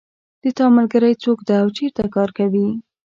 د تا ملګری څوک ده او چېرته کار کوي